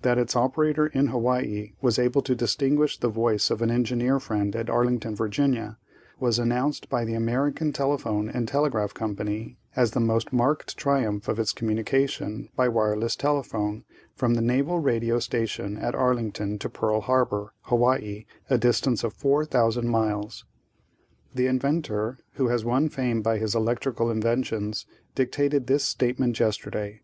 That its operator in Hawaii was able to distinguish the voice of an engineer friend at Arlington, Va., was announced by the American Telephone and Telegraph Company as the most marked triumph of its communication by wireless telephone from the naval radio station at Arlington to Pearl Harbor, Hawaii, a distance of 4,000 miles. The inventor, who has won fame by his electrical inventions, dictated this statement yesterday.